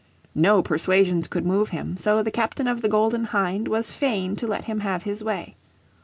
No persuasions could move him, so the captain of the Golden Hind was fain to let him have his way.